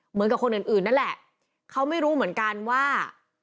เหมือนกับคนอื่นอื่นนั่นแหละเขาไม่รู้เหมือนกันว่า